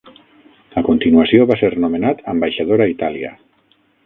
A continuació, va ser nomenat ambaixador a Itàlia.